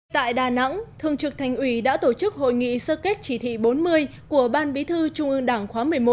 tại đà nẵng thường trực thành ủy đã tổ chức hội nghị sơ kết chỉ thị bốn mươi của ban bí thư trung ương đảng khóa một mươi một